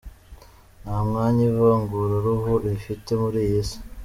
Nta mwanya ivanguraruhu rifite muri iyi si.